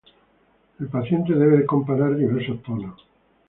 El paciente debe comparar diversos tonos.